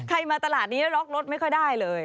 มาตลาดนี้แล้วล็อกรถไม่ค่อยได้เลย